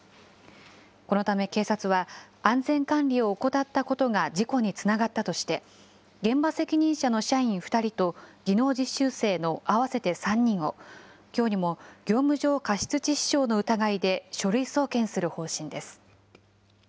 このため警察は、安全管理を怠ったことが事故につながったとして、現場責任者の社員２人と、技能実習生の合わせて３人を、きょうにも業務上過失致死傷の疑いで書類送検する方針です。